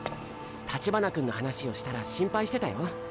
橘君の話をしたら心配してたよ。